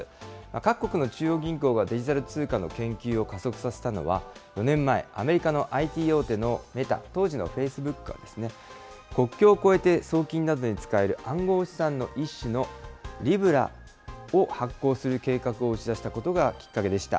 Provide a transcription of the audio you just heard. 各国の中央銀行がデジタル通貨の研究を加速させたのは、４年前、アメリカのＩＴ大手のメタ、当時のフェイスブックが、国境を越えて送金などに使える暗号資産の一種のリブラを発行する計画を打ち出したことがきっかけでした。